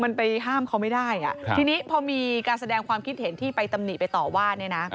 มันไปห้ามเขาไม่ได้ทีนี้พอมีการแสดงความคิดเห็นที่ไปตำหนิไปต่อว่าเนี่ยนะ